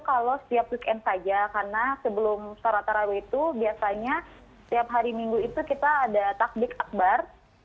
saya biasanya setiap weekend saja karena sebelum searah terawih itu biasanya setiap hari minggu itu kita ada takdik akbar